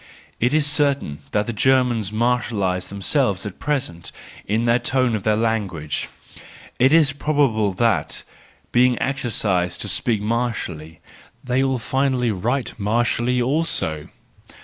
—It is certain that the Germans martialise themselves at present in the tone of their language: it is probable that, being exercised to speak martially, they will finally write martially also.